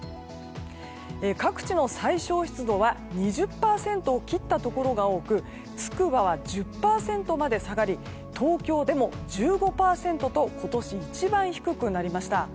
各地の最小湿度は２０％を切ったところが多くつくばは１０％まで下がり東京でも１５％と今年一番低くなりました。